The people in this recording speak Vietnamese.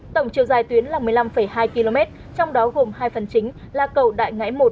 tổng chiều dài tuyến là một mươi năm hai km trong đó gồm hai phần chính là cầu đại ngãi một